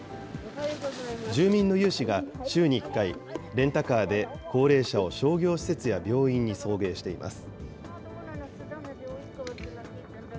住民の有志が週に１回、レンタカーで高齢者を商業施設や病院に送迎しています。